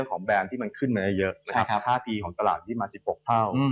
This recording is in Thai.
ของแบรนด์ที่มันขึ้นมาเยอะค่าตีของตลาดมา๑๖เท่า